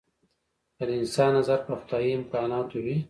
که د انسان نظر په خدايي امکاناتو وي.